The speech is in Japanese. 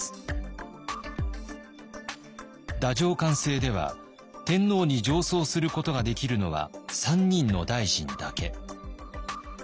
太政官制では天皇に上奏することができるのは３人の大臣だけ。